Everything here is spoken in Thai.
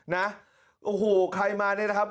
นะโอ้โหใครมาเนี่ยนะครับ